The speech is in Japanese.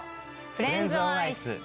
『フレンズオンアイス』。